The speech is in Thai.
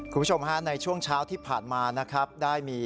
คุณผู้ชมฮะในช่วงเช้าที่ผ่านมานะครับได้มี